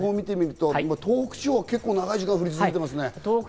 東北地方は結構、長い時間降り続いていますね。